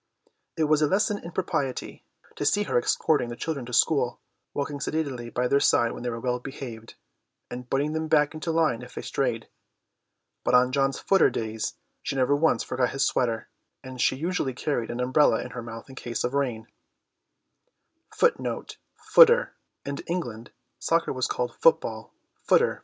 It was a lesson in propriety to see her escorting the children to school, walking sedately by their side when they were well behaved, and butting them back into line if they strayed. On John's footer days she never once forgot his sweater, and she usually carried an umbrella in her mouth in case of rain.